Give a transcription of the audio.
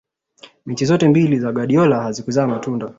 mechi zote mbili mbinu za guardiola hazikuzaa matunda